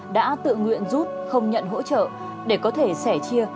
đã tự nguyện rút không nhận hỗ trợ để có thể sẻ chia